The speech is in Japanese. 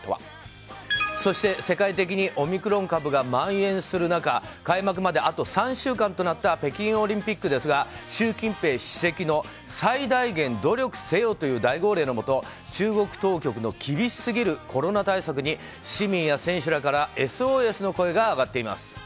世界的にオミクロン株が蔓延する中開幕まであと３週間となった北京オリンピックですが習近平主席の最大限努力せよという大号令のもと中国当局の厳しすぎるコロナ対策に市民や選手らからＳＯＳの声が上がっています。